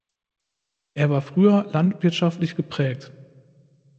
Er war früher landwirtschaftlich geprägt.